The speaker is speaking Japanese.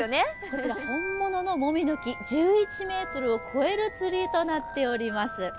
こちら、本物のモミの木、１１ｍを超えるツリーとなっています。